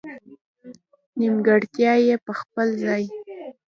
نېمګړتیا یې په خپل ځای.